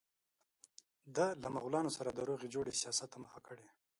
ده له مغولانو سره د روغې جوړې سیاست ته مخه کړه.